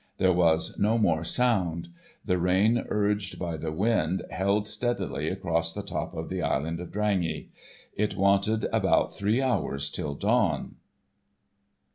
There was no more sound. The rain urged by the wind held steadily across the top of the Island of Drangey. It wanted about three hours till dawn.